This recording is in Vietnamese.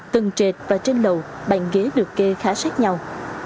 tầng trệt và trên lầu bàn ghế được kê khá sát nhau